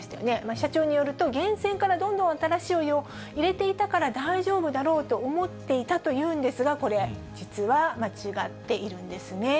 社長によると、源泉からどんどん新しいお湯を入れていたから、大丈夫だろうと思っていたというんですが、これ、実は間違っているんですね。